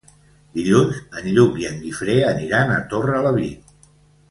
Dilluns en Lluc i en Guifré aniran a Torrelavit.